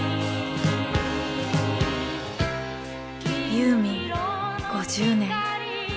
ユーミン５０年。